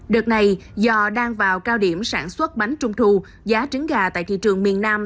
đợt này do đang vào cao điểm sản xuất bánh trung thu giá trứng gà tại thị trường miền nam